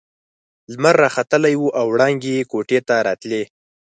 لمر راختلی وو او وړانګې يې کوټې ته راتلې.